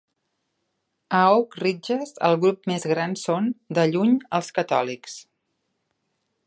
A Oak Ridges el grup més gran són, de lluny, els catòlics.